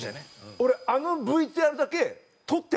俺あのＶＴＲだけ。